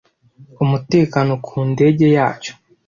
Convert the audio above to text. Umutekano ku ndege yacyo.